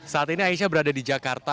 saat ini aisyah berada di jakarta